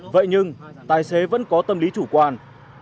vậy nhưng tài xế vẫn có tâm lý chủ quan